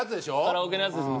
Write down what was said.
カラオケのやつです。